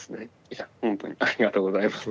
いやほんとにありがとうございます。